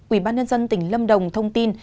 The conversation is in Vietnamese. ubnd tỉnh lâm đồng thông tin